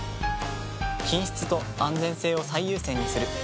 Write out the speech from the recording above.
品質と安全性を最優先にする。